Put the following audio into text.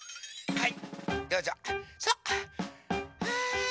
はい！